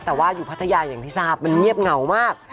แต่ว่าอยู่พัทยาอย่างที่ทราบมันเงียบเหงามาก